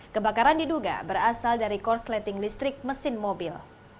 kebakaran diduga berasal dari korsleting listrik mesin mobil